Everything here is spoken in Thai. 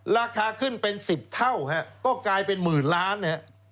ราคาขึ้นเป็น๑๐เท่าก็กลายเป็น๑๐๐๐๐ล้าน